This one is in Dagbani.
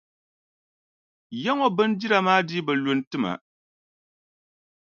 Yaŋɔ bindira maa dii bi lu n-ti ma.